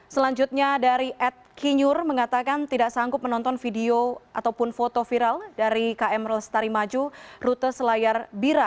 selanjutnya dari ad kinur mengatakan tidak sanggup menonton video ataupun foto viral dari km lestari maju rute selayar bira